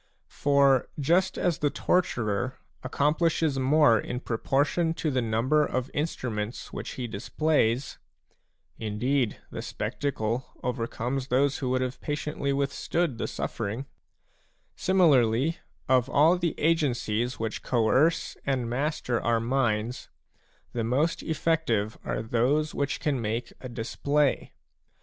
For just as the torturer accomplishes more in proportion to the number of instruments which he displays, — indeed, the spectacle overcomes those who would have patiently withstood the suffering, — similarly, of all the agencies which coerce and master our minds, the most effective are those which can make a display.